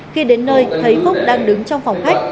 khi đến nơi thấy phúc đang đứng trong phòng khách